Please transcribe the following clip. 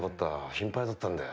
心配だったんだよ。